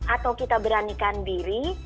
atau kita beranikan diri